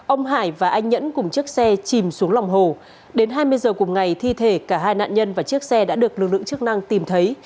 ông hải và anh nhẫn cùng chiếc xe chìm xuống lòng hồ đến hai mươi giờ cùng ngày thi thể cả hai nạn nhân và chiếc xe đã được lực lượng chức năng tìm thấy